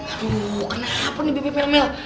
aduh kenapa nih bebem elmeh